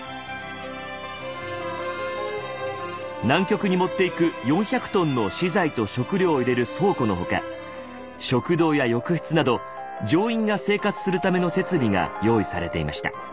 南極に持っていく４００ｔの資材と食料を入れる倉庫の他食堂や浴室など乗員が生活するための設備が用意されていました。